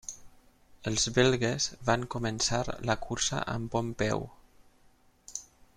Els belgues van començar la cursa amb bon peu.